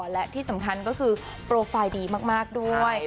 และที่สำคัญก็คือโปรไฟล์ดีมากด้วย